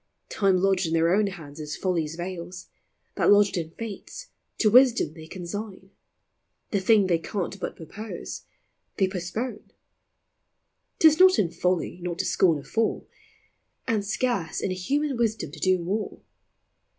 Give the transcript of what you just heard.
Time lodged in their own hands is folly's veils ; That lodged in Fate's, to wisdom they consign ; The thing they can't but purpose, they postpone : TIME. 191 'T is not in folly not to scorn a fool, And scarce in human wisdom to do more.